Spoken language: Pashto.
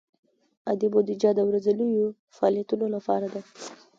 عادي بودیجه د ورځنیو فعالیتونو لپاره ده.